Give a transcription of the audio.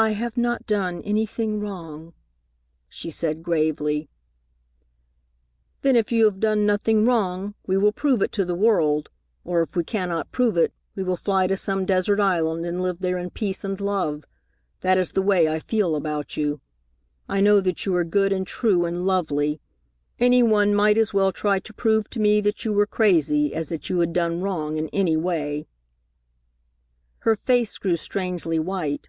"I have not done anything wrong," she said gravely. "Then if you have done nothing wrong, we will prove it to the world, or, if we cannot prove it, we will fly to some desert island and live there in peace and love. That is the way I feel about you. I know that you are good and true and lovely! Any one might as well try to prove to me that you were crazy as that you had done wrong in any way." Her face grew strangely white.